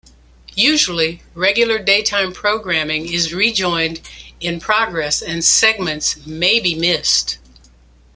Usually, regular daytime programming is re-joined in progress and segments may be missed.